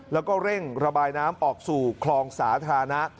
แล้วก็เร่งระบายน้ำออกสู่คลองสาธารณะ